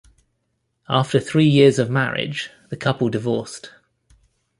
After three years of marriage, the couple divorced.